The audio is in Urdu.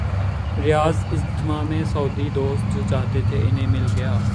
ریاض اجتماع میں سعودی دوست جو چاہتے تھے، انہیں مل گیا۔